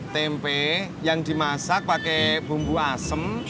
tempe yang dimasak pakai bumbu asem